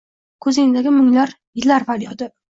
Kuzingdagi munglar iillar faryodi